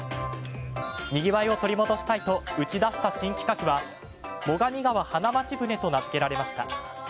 にぎわいを取り戻したいと打ち出した新企画は最上川花街舟と名づけられました。